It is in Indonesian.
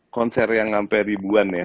concert yang sampe ribuan ya